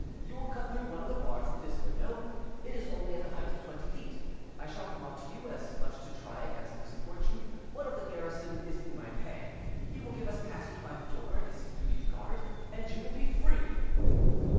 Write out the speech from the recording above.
You will cut through one of the bars of this window, it is only at a height of twenty feet; I shall come up to you, as much to try it as to support you; one of the garrison is in my pay, he will give us passage by the door it is his duty to guard, and you will be free."